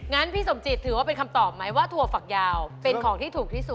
งั้นพี่สมจิตถือว่าเป็นคำตอบไหมว่าถั่วฝักยาวเป็นของที่ถูกที่สุด